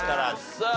さあ。